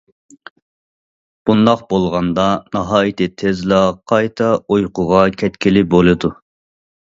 بۇنداق بولغاندا، ناھايىتى تېزلا قايتا ئۇيقۇغا كەتكىلى بولىدۇ.